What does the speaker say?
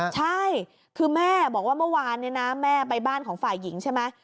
ใช่คือแม่บอกว่าเมื่อวานเนี่ยนะแม่ไปบ้านของฝ่ายหญิงใช่ไหม